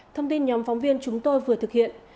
thông tin nhóm phóng viên chúng tôi vừa thực hiện